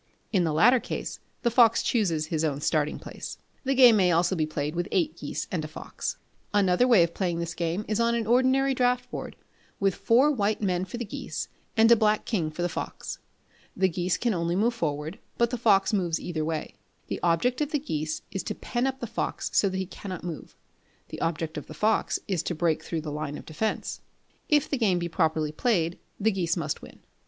In the latter case, the fox chooses his own starting place. The game may also be played with eight geese and a fox. Another way of playing this game is on an ordinary draughtboard, with four white men for the geese, and a black king for the fox. The geese can only move forward, but the fox moves either way. The object of the geese is to pen up the fox so that he cannot move; the object of the fox is to break through the line of defence. If the game be properly played, the geese must win.